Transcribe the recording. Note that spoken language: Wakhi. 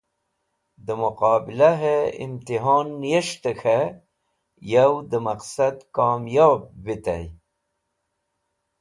De Muqabilahe Imtihon Niyes̃hte K̃he Yow de Maqsad Komyob Vitey